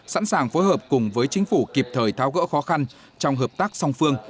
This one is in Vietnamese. sẵn sàng phối hợp cùng với chính phủ kịp thời tháo gỡ khó khăn trong hợp tác song phương